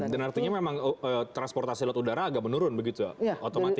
dan artinya transportasi lot udara agak menurun begitu otomatis